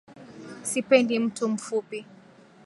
Sipendi mtu mfupi